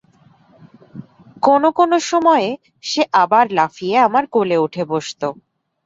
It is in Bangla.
কোনো কোনো সময়ে সে আবার লাফিয়ে আমার কোলে উঠে বসত।